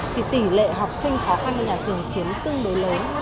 thì tỉ lệ học sinh khó khăn của nhà trường chiếm tương đối lớn